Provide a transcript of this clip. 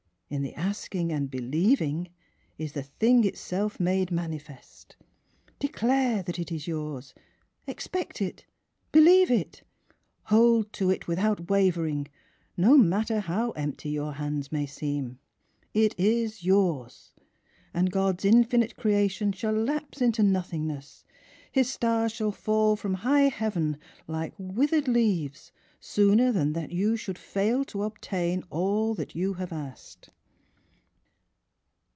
In the ask ing and believing is the thing itself made manifest. Declare that it is yours ! Expect it ! Believe it ! Hold to it with out wavering — no matter how empty your hands may seem !// is yours ^ and God's infinite creation shall lapse into noth ingness; His stars shall fall from high Heaven like with 22 Miss Phihtra ered leaves sooner than that you shall fail to obtain all that you have asked